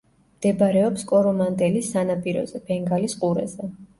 მდებარეობს კორომანდელის სანაპიროზე, ბენგალის ყურეზე.